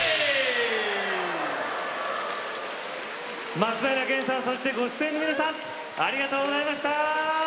松平健さんそしてご出演の皆さんありがとうございました！